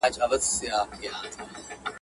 نه سازونه مي مطلب د نيمي شپې دي.